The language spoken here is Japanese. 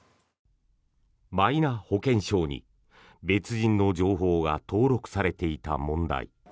マイナ保険証に、別人の情報が登録されていた問題。